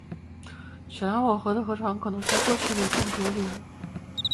雪兰莪河的河床可能在过去是一片竹林。